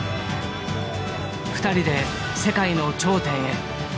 ２人で世界の頂点へ。